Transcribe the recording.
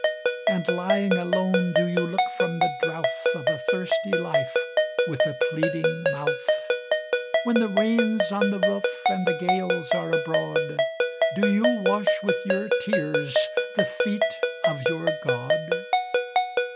And, lying alone, do you look from the drouth Of a thirsty Life with a pleading mouth? When the rain's on the roof, and the gales are abroad, Do you wash with your tears the feet of your God?